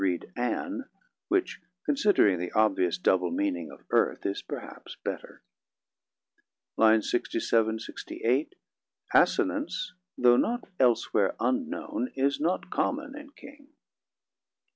read 'An', which, considering the obvious double meaning of 'earth', is perhaps better.] [Lines: 67 8 Assonance, though not elsewhere unknown, is not common in King.